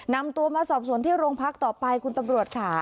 นำตัวมาสอบสวนที่โรงพักต่อไปคุณตำรวจค่ะ